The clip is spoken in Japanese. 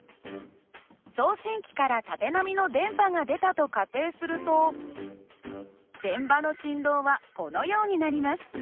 送信機から縦波の電波が出たと仮定すると電場の振動はこのようになります。